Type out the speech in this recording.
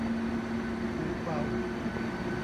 หูเบา